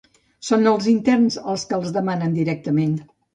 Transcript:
Són els interns els que els demanen directament.